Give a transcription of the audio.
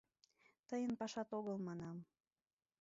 Тыйын пашат огыл, манам!